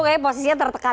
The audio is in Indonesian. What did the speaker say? kayaknya posisinya tertekan